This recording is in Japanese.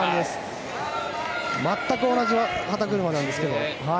全く同じ肩車なんですけど。